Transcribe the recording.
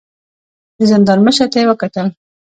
د زندان مشر ته يې وکتل.